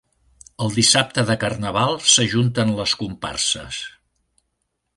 El dissabte de carnaval s'ajunten les comparses.